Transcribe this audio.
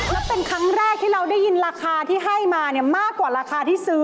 แล้วเป็นครั้งแรกที่เราได้ยินราคาที่ให้มาเนี่ยมากกว่าราคาที่ซื้อ